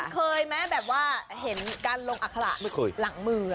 เคยไหมแบบว่าเห็นการลงอัคระหลังมือ